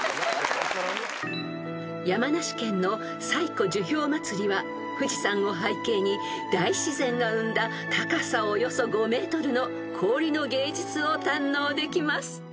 ［山梨県の西湖樹氷まつりは富士山を背景に大自然が生んだ高さおよそ５ｍの氷の芸術を堪能できます］